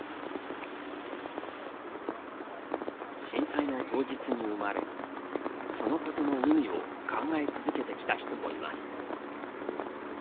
震災の当日に生まれそのことの意味を考え続けてきた人もいます。